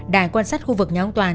đài quan sát khu vực nhà ông toàn